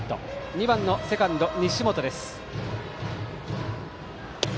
２番のセカンド、西本です。